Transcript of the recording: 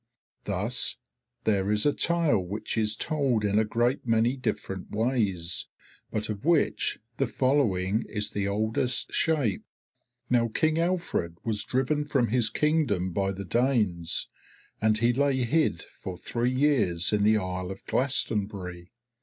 Thus there is a tale which is told in a great many different ways, but of which the following is the oldest shape. "Now King Alfred was driven from his Kingdom by the Danes, and he lay hid for three years in the isle of Glastonbury.